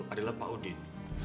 adalah pak udin